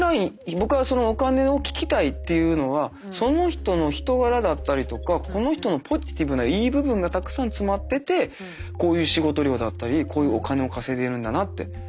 僕はそのお金を聞きたいっていうのはその人の人柄だったりとかこの人のポジティブないい部分がたくさん詰まっててこういう仕事量だったりこういうお金を稼いでるんだなって。